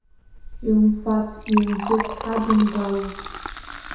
Иумфац-иумжәыц ҳадумгалан!